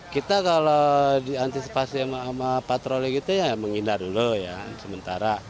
kita kalau diantisipasi sama patroli gitu ya menghindar dulu ya sementara